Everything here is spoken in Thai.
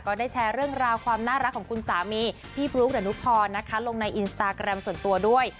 ก็ได้แชร์เรื่องราวความน่ารักของคุณสามีพี่พลุ๊กดนุพรนะคะลงในอินสตาแกรมส่วนตัวด้วย